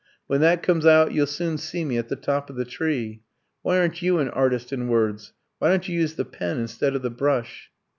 When that comes out you'll soon see me at the top of the tree. Why aren't you an artist in words? Why don't you use the pen instead of the brush?"